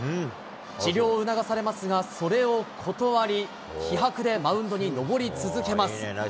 治療を促されますが、それを断り、気迫でマウンドに登り続けます。